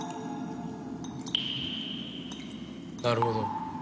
なるほど。